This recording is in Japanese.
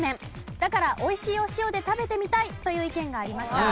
だから美味しいお塩で食べてみたい！という意見がありました。